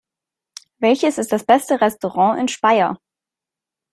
Welches ist das beste Restaurant in Speyer?